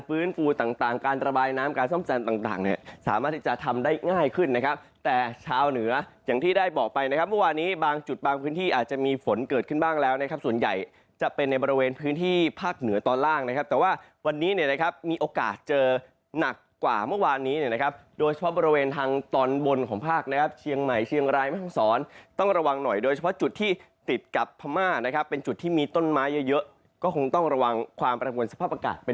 พื้นฟูต่างการตระบายน้ำการซ่อมแซมต่างเนี่ยสามารถที่จะทำได้ง่ายขึ้นนะครับแต่เช้าเหนืออย่างที่ได้บอกไปนะครับเมื่อวานี้บางจุดบางพื้นที่อาจจะมีฝนเกิดขึ้นบ้างแล้วนะครับส่วนใหญ่จะเป็นในบริเวณพื้นที่ภาคเหนือตอนล่างนะครับแต่ว่าวันนี้เนี่ยนะครับมีโอกาสเจอนักกว่าเมื่อวานนี้นะครับโด